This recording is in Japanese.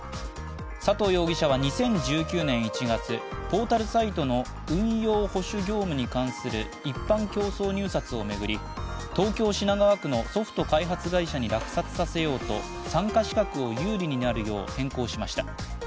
佐藤容疑者は２０１９年１月ポータルサイトの運用保守業務に関する一般競争入札を巡り東京・品川区のソフト開発会社に落札させようと参加資格を有利になるよう変更しました。